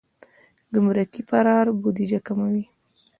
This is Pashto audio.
ګمرکي فرار بودیجه کموي.